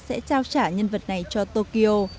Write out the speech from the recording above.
sẽ trao trả nhân vật này cho tokyo